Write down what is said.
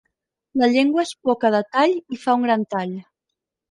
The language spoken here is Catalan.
La llengua és poca de tall i fa gran tall.